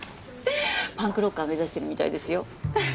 パンクロッカー目指してるみたいですよ。